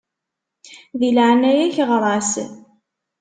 Di leɛnaya-k ɣeṛ-as.